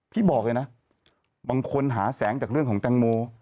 บอกเลยนะบางคนหาแสงจากเรื่องของแตงโม